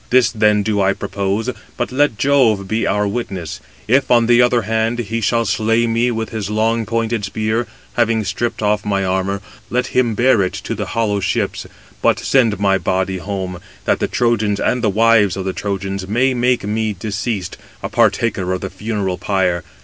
This then do I propose, but let Jove be our witness; if, on the one hand, he shall slay me with his long pointed spear, having stripped off my armour, let him bear it to the hollow ships, but send my body home, that the Trojans and the wives of the Trojans may make me, deceased, a partaker of the funeral pyre.